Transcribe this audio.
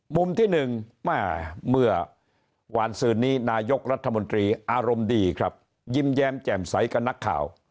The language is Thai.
มุมที่หนึ่งแม่เมื่อวานซืนนี้นายกรัฐมนตรีอารมณ์ดีครับยิ้มแย้มแจ่มใสกับนักข่าว